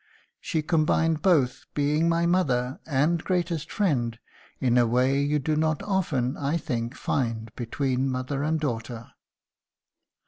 She combined both, being my mother and greatest friend in a way you do not often, I think, find between mother and daughter."